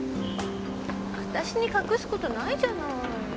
私に隠す事ないじゃない。